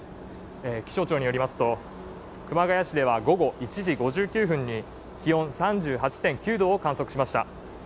気象庁によりますと熊谷市では午後１時５９分に気温３８．９度を観測しました。